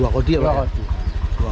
dua kodi ya pak ya